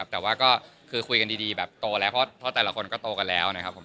แต่ว่าก็คือคุยกันดีแบบโตแล้วเพราะแต่ละคนก็โตกันแล้วนะครับผม